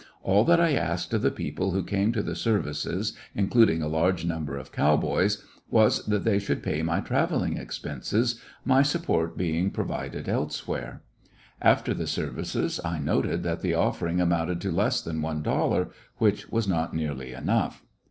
All that I asked of the people who came to the services, including a large number of cow boys, was that they should pay my travelling expenses, my support being provided else where. After the services I noted that the offering amounted to less than one dollar, which was not nearly enough.